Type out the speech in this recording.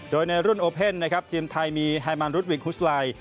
โดยในรุ่นโอเพ่นทีมไทยมีไฮมันรุดวิคฮุชไลด์